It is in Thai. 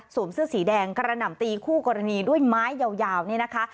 เสื้อสีแดงกระหน่ำตีคู่กรณีด้วยไม้ยาวนี่นะคะ